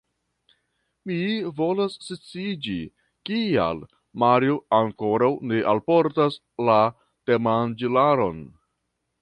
Mi volas sciiĝi, kial Mario ankoraŭ ne alportas la temanĝilaron.